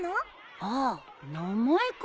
ああ名前か。